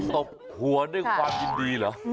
ตบหัวด้วยความยินดีเหรอ